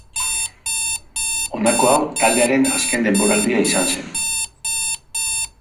Honako hau taldearen azken denboraldia izan zen.